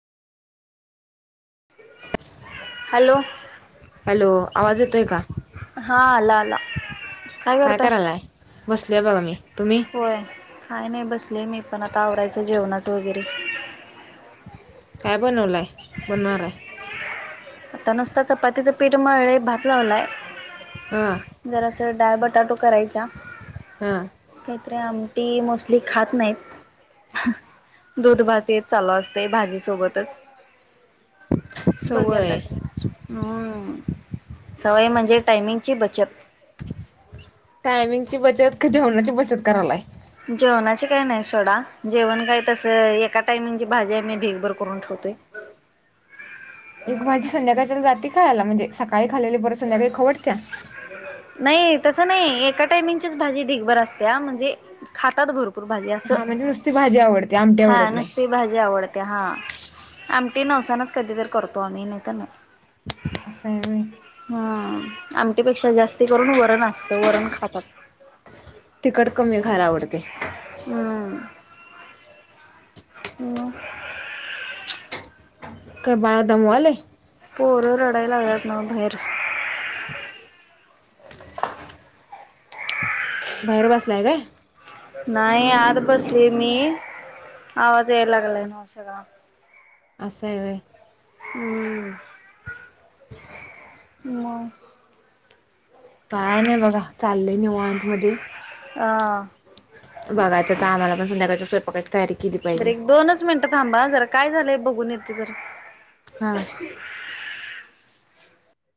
Hello! Hello! आवाज येतोय का? हा, आला आला. काय करायलाय, बसलोय बघा मी तुम्ही? होय काय नाही बसले मी पण, आता आवरायचं जेवणाचं वगैरे. काय बनवलाय बनवणार आहे? आता नुसत चपातीचं पीठ मळलय भात लावलाय. हा. जरास डाळ, बटाटो करायचा. हा. काहीतरीे आमटी मोस्टली खात नाहीत. दूध भात हेच चालू असतय भाजी सोबतच. बघ सवय हम्म, सवय म्हणजे टायमिंगची बचत. टायमिंगची बचत का जेवणाची बचत करालाय? जेवणाची काय नाही सोडा. जेवण काय तसं एका टायमिंगची भाजी आम्ही मी ढीकभर करून ठेवतोय. एक भाजी संध्याकाळच्याला जाती खायाला, म्हणजे सकाळी खालेली परत संध्याकाळी खाऊ वाटत्या? नाही तस नई, एका टाइमिंगचीच भाजी दिगभर असत्या म्हणजे खातात भरपूर भरपूर भाजी अस, हा म्हणजे नुसती भाजी आवडते आमटी हा आवडत नुसती नाही भाजी आवडते हा. आमटी नवसानच कधीतरी करतो आम्ही नाही तर नाही. असाय व्हय. हम्म आमटीपेक्षा जास्ती करून वरण असतं, वरण खातात. तिकट कमी खायला आवडतय. हम्म. मग. काय बाळ दमवालय? पोर रडाय लागल्यात् नवं बहीर. [inaudible] बाहेर बसलाय काय? नाही आत बसले मी. आवाज यायला लागलाय ना सगळा. असए व्हय. ह म. काय नाही बघा. चाललंय निवांतमध्ये. ह बघयचं आम्हाला पण संध्याकाच्या स्वयंपाकाच. तारी [unintelligible] बर एक दोनच मिनिटं थांबा हं जरा. काय झालंय बघून येते जरा. हा.